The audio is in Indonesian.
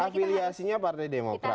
afiliasinya partai demokrat